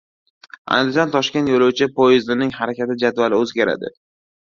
“Andijon-Toshkent” yo‘lovchi poyezdining harakat jadvali o‘zgaradi!